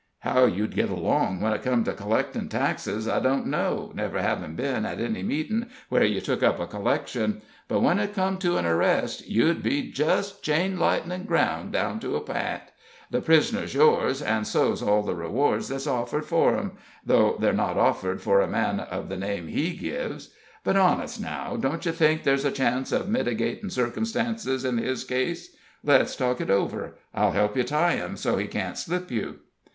How you'd get along when it come to collectin' taxes, I don't know, never havin' been at any meetin' where you took up a collection; but when it come to an arrest, you'd be just chain lightning ground down to a pint. The pris'ner's yours, and so's all the rewards that's offered for him, though they're not offered for a man of the name he gives. But, honest, now, don't you think there's a chance of mitigatin' circumstances in his case? Let's talk it over I'll help you tie him so he can't slip you."